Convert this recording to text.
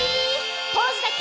「ポーズだけ！」